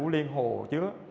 liên hồ chứa